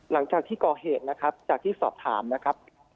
หลังจากที่ก่อเหตุนะครับจากที่สอบถามนะครับ